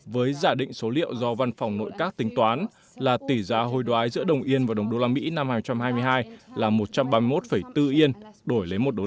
với giả định số liệu do văn phòng nội các tính toán là tỷ giá hồi đoái giữa đồng yên và đồng usd năm hai nghìn hai mươi hai là một trăm ba mươi một bốn yên đổi lấy một usd